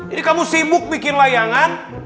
ini kamu sibuk bikin layangan